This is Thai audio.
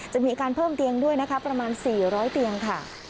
จะมีการเพิ่มเตียงด้วยนะคะประมาณ๔๐๐เตียงค่ะ